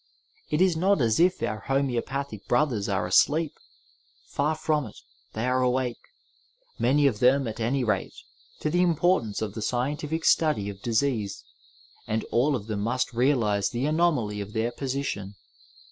It is not as if our homoeopathic brothers are asleep ; far from it, they are awake — many of them at any rate — ^to the importance of the scientific study of disease, and all of them must realize the anomaly of their position.